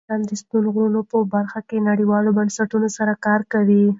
افغانستان د ستوني غرونه په برخه کې نړیوالو بنسټونو سره کار کوي.